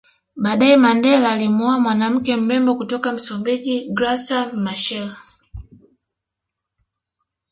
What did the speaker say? Baadaye Mandela alimuoa mwanawake mrembo kutoka Msumbiji Graca Machel